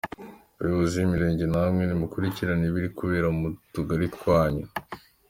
Bayobozi b’imirenge namwe nimukurikirane ibiri kubera mu tugari twanyu.